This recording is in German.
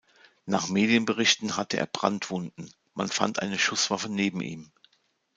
Nach Medienberichten hatte er Brandwunden; man fand eine Schusswaffe neben ihm.